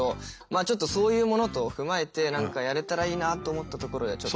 あちょっとそういうものとを踏まえて何かやれたらいいなと思ったところでちょっと。